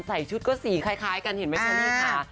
ใส่ชุดก็สีคล้ายกันเห็นไหมเชอรี่ค่ะ